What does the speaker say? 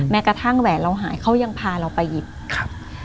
แม้กระทั่งแหวนเราหายเขายังพาเราไปหยิบครับ